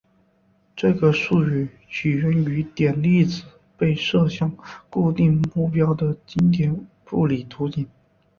这个术语起源于点粒子被射向固体目标的经典物理图景。